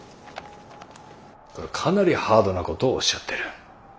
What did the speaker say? かなりハードなことをおっしゃってる。